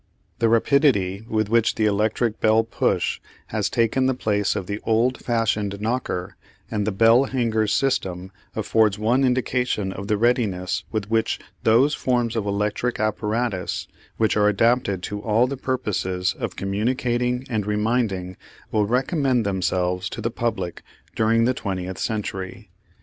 The rapidity with which the electric bell push has taken the place of the old fashioned knocker and the bell hanger's system affords one indication of the readiness with which those forms of electric apparatus which are adapted to all the purposes of communicating and reminding will recommend themselves to the public during the twentieth century.